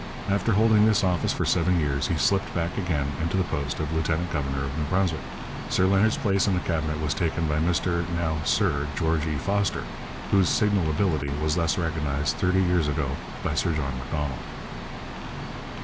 After holding this office for seven years, he slipped back again into the post of lieutenant governor of New Brunswick. Sir Leonard's place in the Cabinet was taken by Mr (now Sir) George E. Foster, whose signal ability was thus recognized thirty years ago by Sir John Macdonald.